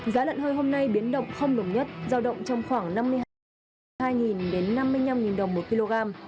giá lận hơi hôm nay biến động không đồng nhất giao động trong khoảng năm mươi hai năm mươi năm đồng một kg